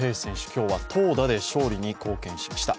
今日は投打で勝利に貢献しました。